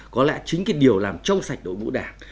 có lẽ chính cái điều làm trong sạch đội ngũ đảng